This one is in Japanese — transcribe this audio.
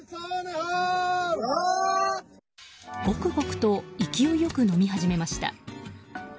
ごくごくと勢いよく飲み始めました。